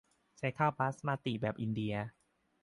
ใช้ข้าวบาสมาติแบบอินเดีย